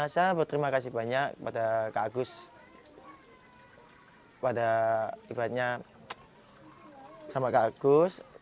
saya berterima kasih banyak kepada kak agus